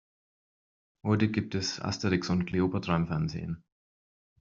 Heute gibt es Asterix und Kleopatra im Fernsehen.